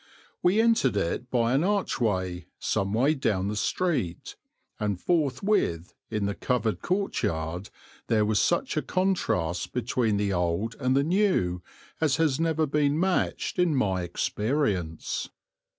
We entered it by an archway some way down the street, and forthwith, in the covered courtyard, there was such a contrast between the old and the new as has never been matched in my experience.